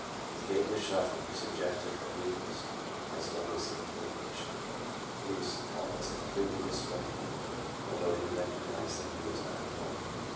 His gait was shuffling, suggestive of weak ness, as well as incoordination. He was almost com pletely disoriented, although he recognized that he was not at home.